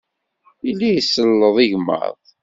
Yella iselleḍ igmaḍ.